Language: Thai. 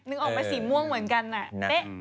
นึงเป็นศิลป์ม่วงเหมือนกัน